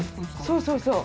そうそうそう。